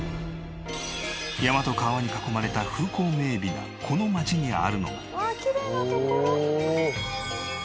山と川に囲まれた風光明媚なこの町にあるのが。